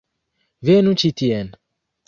Venu ĉi tien.